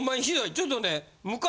ちょっとね昔。